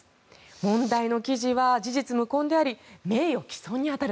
問題の記事は事実無根であり名誉毀損である。